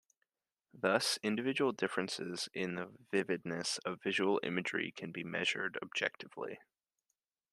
Thus, individual differences in the vividness of visual imagery can be measured objectively.